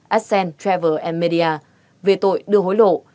ascent travel media về tội đưa hối lộ